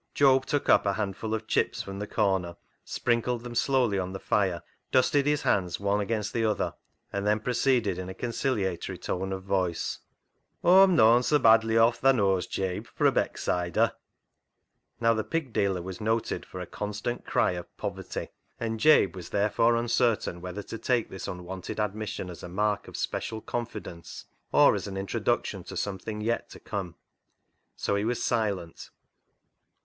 Job took up a handful of chips from the corner, sprinkled them slowly on the fire, dusted his hands one against the other, and then pro ceeded in a conciliatory tone of voice —" Aw'm nooan so badly off, tha knows, Jabe, for a Becksider." Now the pig dealer was noted for a constant cry of poverty, and Jabe was therefore uncer tain whether to take this unwonted admission as a mark of special confidence or as an intro duction to something yet to come, so he was silent.